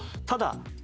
ただ